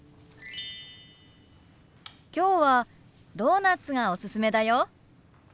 今日はドーナツがおすすめだよ。